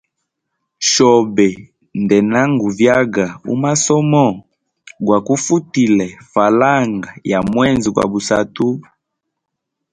Shobe ndena nguvyaga umasomo gwa kufutile falanga ya mwezi gwa busatu.